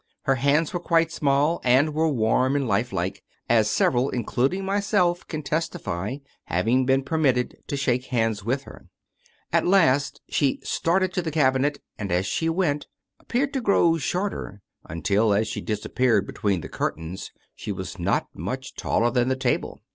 Her hands were quite small, and were warm and lifelike, as several, including myself, can testify, having been permitted to shake hands with her. At last she started to the cabinet, and, as she went, appeared to grow shorter, until, as she disappeared between the curtains, she was not much taller than the table..